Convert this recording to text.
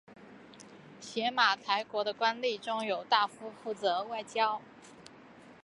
邪马台国的官吏中有大夫负责外交。